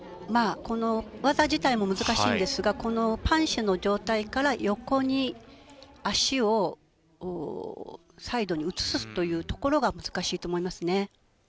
この技自体も難しいんですがこのパンシェの状態から横に足をサイドに移すというところが難しいと思いますね。